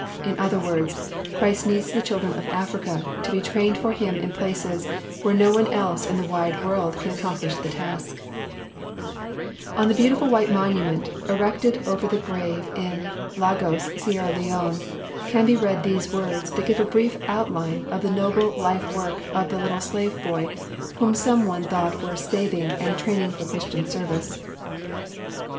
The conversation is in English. In other words, Christ needs the children of Africa, to be trained for Him in places where no one else in the wide world can accomplish the task. [Illustration: THE HOPE OF AFRICA A WEST AFRICAN BABY A GROUP OF FANG BOYS, AFRICA] On the beautiful white monument, erected over the grave in Lagos, Sierra Leone, can be read these words that give a brief outline of the noble life work of the little slave boy whom some one thought worth saving and training for Christian service.